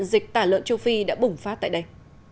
dịch tả lợn châu phi đã bùng phát tại đây